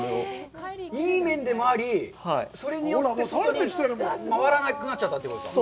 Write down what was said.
いい面でもあり、それによって回らなくなっちゃったということですか。